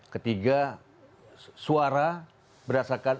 ketiga suara berasakan pemerintahan